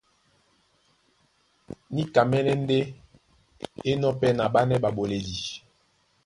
Níkamɛ́nɛ́ ndé é enɔ̄ pɛ́ na ɓánɛ́ ɓaɓoledi.